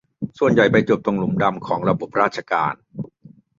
ส่วนใหญ่ไปจบตรงหลุมดำของระบบราชการ